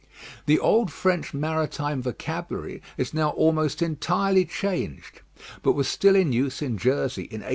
The old French maritime vocabulary is now almost entirely changed, but was still in use in Jersey in 1820.